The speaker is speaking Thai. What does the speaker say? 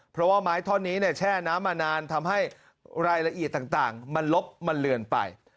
เพราะว่าไม้ท่อนนี้แช่น้ำมานานทำให้รายละเอียดต่างมันลบมันเลือนไป